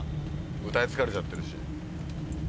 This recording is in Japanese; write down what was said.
歌い疲れちゃってるし。